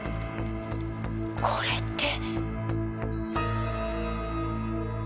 これって！